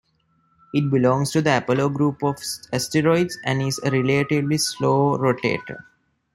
It belongs to the Apollo group of asteroids and is a relatively slow rotator.